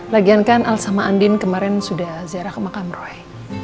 lagian kan al sama andin kemarin sudah ziarah ke makam roy